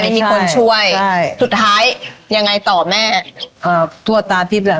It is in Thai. มีคนช่วยใช่สุดท้ายยังไงต่อแม่ครับทั่วตาพิบแหละ